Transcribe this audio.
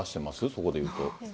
そこでいうと。